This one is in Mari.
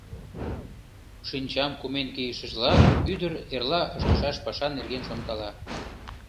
Шинчам кумен кийышыжла, ӱдыр эрла ыштышаш паша нерген шонкала.